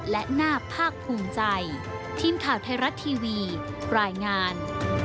และน่าภาคภูมิใจทีมข่าวไทยรัฐทีวีรายงาน